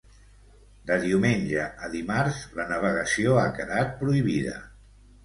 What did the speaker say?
De diumenge a dimarts, la navegació ha quedat prohibida.